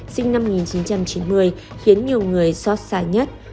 sinh năm một nghìn chín trăm chín mươi khiến nhiều người xót xa nhất